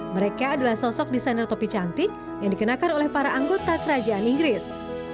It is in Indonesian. mereka adalah sosok desainer topi cantik yang dikenakan oleh para anggota kerajaan inggris